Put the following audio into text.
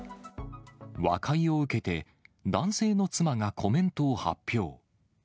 和解を受けて、男性の妻がコメントを発表。